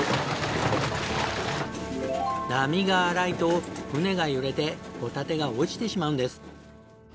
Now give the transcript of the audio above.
波が荒いと船が揺れてホタテが落ちてしまうんです。